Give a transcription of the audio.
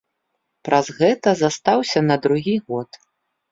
Праз гэта застаўся на другі год.